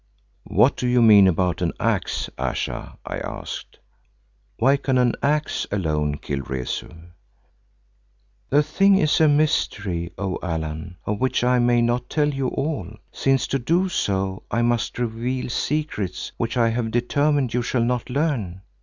"What do you mean about an axe, Ayesha?" I asked. "Why can an axe alone kill Rezu?" "The thing is a mystery, O Allan, of which I may not tell you all, since to do so I must reveal secrets which I have determined you shall not learn.